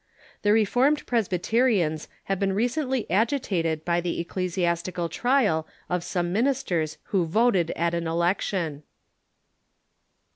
The Reformed Presbyterians have been recently agitated by the ecclesiastical trial of some ministers who voted at an election.